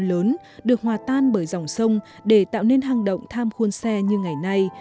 lớn được hòa tan bởi dòng sông để tạo nên hang động tham khuôn xe như ngày nay